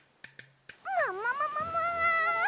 ももももも！